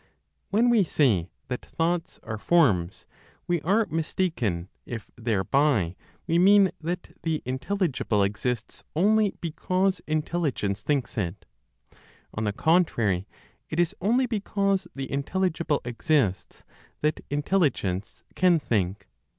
When we say that thoughts are forms, we are mistaken if thereby we mean that the intelligible exists only because Intelligence thinks it. On the contrary, it is only because the intelligible exists, that Intelligence can think.